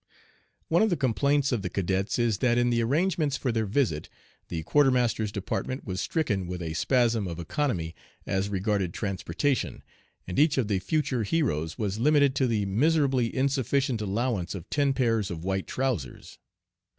"One of the complaints of the cadets is that in the arrangements for their visit, the Quartermaster's Department was stricken with a spasm of economy as regarded transportation, and each of the future heroes was limited to the miserably insufficient allowance of ten pairs of white trousers.